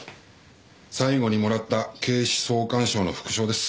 最後にもらった警視総監賞の副賞です。